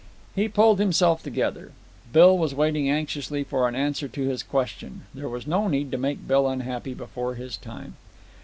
He pulled himself together. Bill was waiting anxiously for an answer to his question. There was no need to make Bill unhappy before his time.